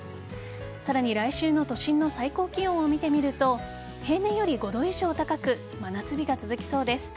さらに、来週の都心の最高気温を見てみると平年より５度以上高く真夏日が続きそうです。